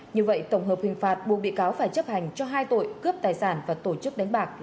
như vậy tổng hợp hình phạt buộc bị cáo phải chấp hành cho hai tội cướp tài sản và tổ chức đánh bạc là bảy năm tù